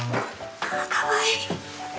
あかわいい！